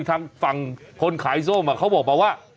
อยู่ทางฝั่งคนขายส้มเขาบอกแบบว่า